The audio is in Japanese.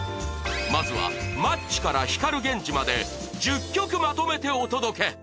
まずはマッチから光ＧＥＮＪＩまで１０曲まとめてお届け。